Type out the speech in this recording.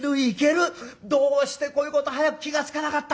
どうしてこういうこと早く気が付かなかったかな。